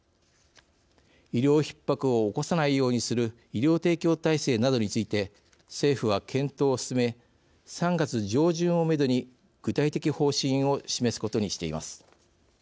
医療ひっ迫を起さないようにする医療提供体制などについて政府は検討を進め３月上旬をめどに具体的方針を示すことにしています。